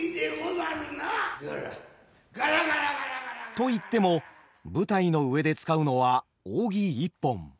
といっても舞台の上で使うのは扇一本。